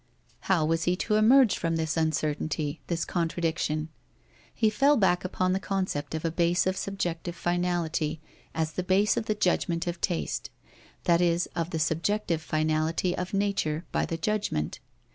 How was he to emerge from this uncertainty, this contradiction? He fell back upon the concept of a base of subjective finality as the base of the judgment of taste, that is of the subjective finality of nature by the judgment.